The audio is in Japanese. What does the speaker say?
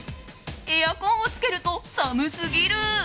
エアコンをつけると寒すぎる。